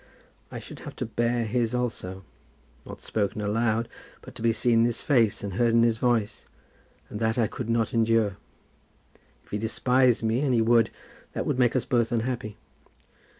I should have to bear his also, not spoken aloud, but to be seen in his face and heard in his voice, and that I could not endure. If he despised me, and he would, that would make us both unhappy.